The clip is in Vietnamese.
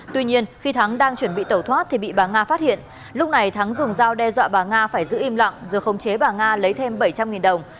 tuy nhiên khi thắng đang chuẩn bị tẩu thoát thì bị bà nga phát hiện lúc này thắng dùng dao đe dọa bà nga phải giữ im lặng rồi khống chế bà nga lấy thêm bảy trăm linh đồng